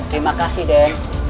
terima kasih den